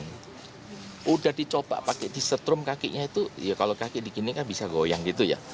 sudah dicoba pakai disetrum kakinya itu ya kalau kaki dikini kan bisa goyang gitu ya